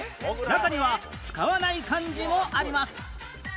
中には使わない漢字もあります